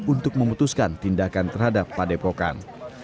untuk memutuskan tindakan terhadap padepokan